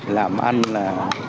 làm ăn là